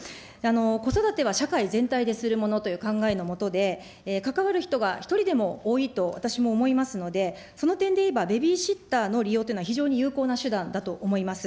子育ては社会全体でするものという考えのもとで、関わる人が１人でも多いと私も思いますので、その点で言えば、ベビーシッターの利用というのは、非常に有効な手段だと思います。